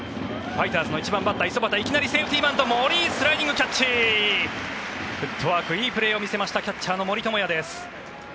ファイターズの１番バッター五十幡いきなりセーフティーバント森、スライディングキャッチフットワークいいプレーを見せましたキャッチャーの森友哉です。